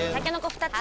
２つ！